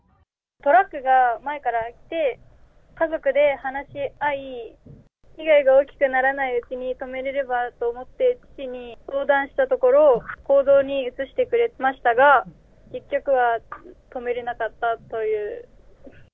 トラックが前から来て、家族で話し合い、被害が大きくならないうちに止めれればと思って、父に相談したところ、行動に移してくれましたが、結局は止めれなかったという。